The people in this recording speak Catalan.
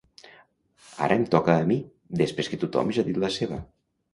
Ara em toca a mi, després que tothom ja ha dit la seva.